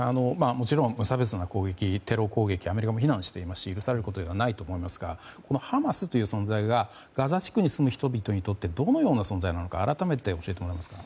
もちろん無差別な攻撃テロ攻撃をアメリカも非難していますし許されることではありませんがこのハマスという存在がガザ地区に住む人々にとってどのような存在なのか改めて教えてもらえますか。